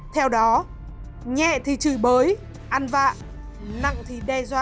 theo đó nhẹ thì chửi bới ăn vạ nặng thì đe dọa